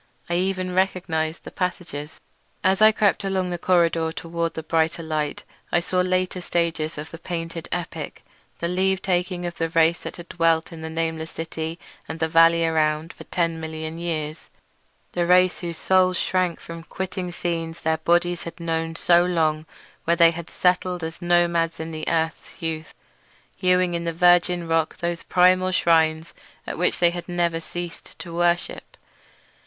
I even recognised the passages. As I crept along the corridor toward the brighter light I saw later stages of the painted epic—the leave taking of the race that had dwelt in the nameless city and the valley around for ten million years; the race whose souls shrank from quitting scenes their bodies had known so long, where they had settled as nomads in the earth's youth, hewing in the virgin rock those primal shrines at which they never ceased to worship.